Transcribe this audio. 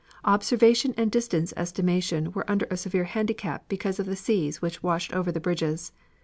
Observation and distance estimation were under a severe handicap because of the seas which washed over the bridges.